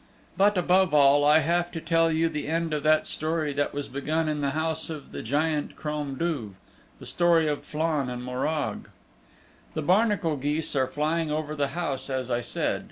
But above all I have to tell you the end of that story that was begun in the house of the Giant Crom Duv the story of Flann and Morag. The barnacle geese are flying over the house as I said.